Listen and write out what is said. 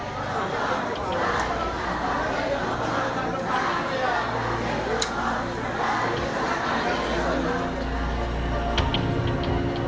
cungkup itu akan menjadi desa yang sedang diadakan oleh para peziarah